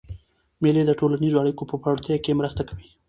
مېلې د ټولنیزو اړیکو په پیاوړتیا کښي مرسته کوي.